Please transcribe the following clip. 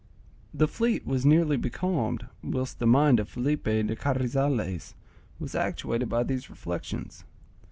The fleet was nearly becalmed whilst the mind of Felipe de Carrizales was actuated by these reflections.